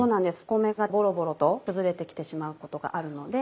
米がボロボロと崩れて来てしまうことがあるので。